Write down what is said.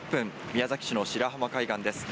宮崎市の白浜海岸です。